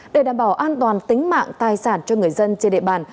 để đảm bảo an toàn tính mạng tài sản cho người dân trên địa bàn